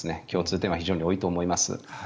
共通点は非常に多いと思います。